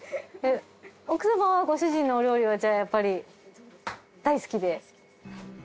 奥様はご主人のお料理はじゃあやっぱり大好きで？